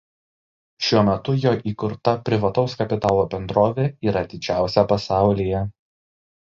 Šiuo metu jo įkurta privataus kapitalo bendrovė yra didžiausia pasaulyje.